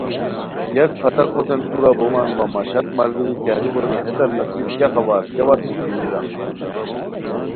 گیاک پھتاکو تین کورہ بومان وا مہ شک ملگیری کیانی بونی ہتیان نصیب کیاخبر کیاوت بوݯھوریران